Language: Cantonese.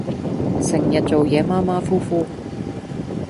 成日做野馬馬虎虎